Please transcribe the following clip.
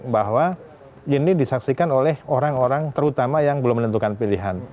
bahwa ini disaksikan oleh orang orang terutama yang belum menentukan pilihan